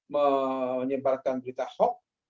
menyebarkan berita hoax